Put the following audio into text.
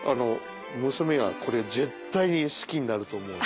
娘がこれ絶対に好きになると思うので。